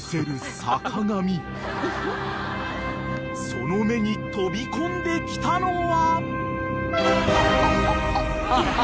［その目に飛び込んできたのは］